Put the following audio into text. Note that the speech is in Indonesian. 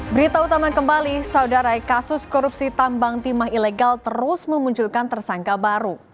berita utama kembali saudara kasus korupsi tambang timah ilegal terus memunculkan tersangka baru